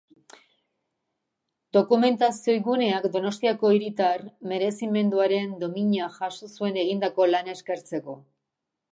Dokumentazioguneak Donostiako Hiritar Merezimenduaren Domina jaso zuen egindako lana eskertzeko.